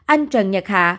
anh trần nhật hạ